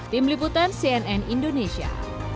tim liputan cnn indonesia